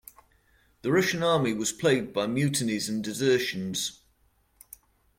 The Russian Army was plagued by mutinies and desertions.